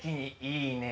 いいね！